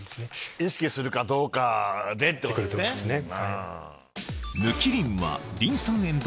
意識するかどうかでってことですね。